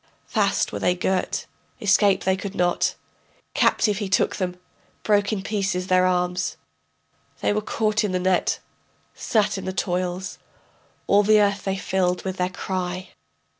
Fast were they girt, escape they could not, Captive he took them, broke in pieces their arms. They were caught in the net, sat in the toils, All the earth they filled with their cry.